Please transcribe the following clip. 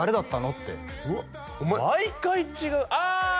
ってお前毎回違うああ！